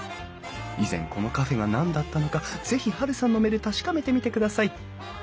以前このカフェが何だったのかぜひハルさんの目で確かめてみてください。